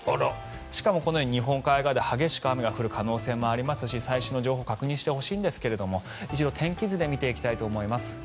しかも日本海側では激しく雨が降る可能性がありますし最新の情報を確認してほしいんですが一度天気図で見ていきたいと思います。